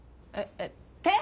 えっ「て」？